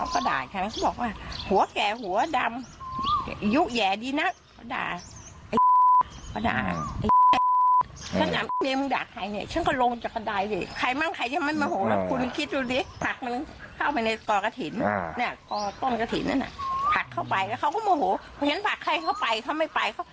พอฉันปากไข้เข้าไปเขาไม่ไป